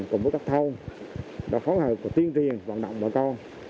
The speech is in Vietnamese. cùng với các thôn đã phóng hợp và tuyên truyền hoạt động bà con